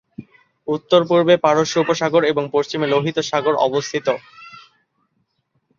উত্তর-পূর্বে পারস্য উপসাগর এবং পশ্চিমে লোহিত সাগর অবস্থিত।